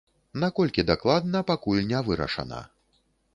Наколькі дакладна, пакуль не вырашана.